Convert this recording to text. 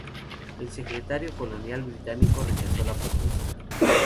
El Secretario Colonial Británico rechazó la propuesta.